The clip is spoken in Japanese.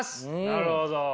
なるほど。